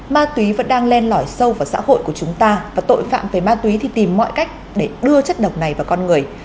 ma túy vẫn đang len lỏi sâu vào xã hội của chúng ta và tội phạm về ma túy thì tìm mọi cách để đưa chất độc này vào con người